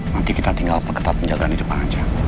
nanti kita tinggal perketat penjagaan di depan aja